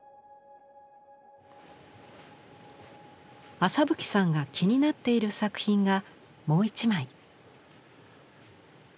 朝吹さんが気になっている作品がもう一枚。